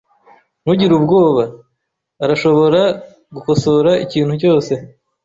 Ntugire ubwoba. arashobora gukosora ikintu cyose.